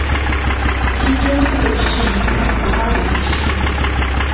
清真寺是以凯库巴德一世命名。